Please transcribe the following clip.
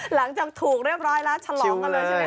หลังจากถูกเรียบร้อยแล้วฉลองกันเลยใช่ไหม